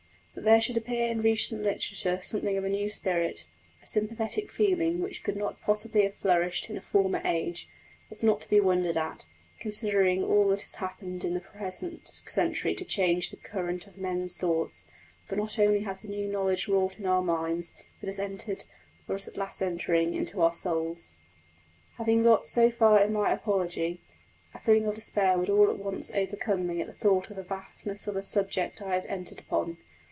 That there should appear in recent literature something of a new spirit, a sympathetic feeling which could not possibly have flourished in a former age, is not to be wondered at, considering all that has happened in the present century to change the current of men's thoughts. For not only has the new knowledge wrought in our minds, but has entered, or is at last entering, into our souls. Having got so far in my apology, a feeling of despair would all at once overcome me at the thought of the vastness of the subject I had entered upon.